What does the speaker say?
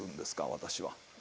私は。